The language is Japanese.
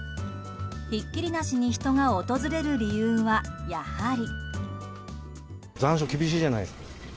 ひっきりなしに人が訪れる理由は、やはり。